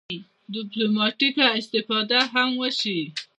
ډیپلوماټیکه استفاده هم وشي.